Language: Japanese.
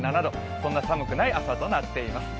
そんな寒くない朝となってます。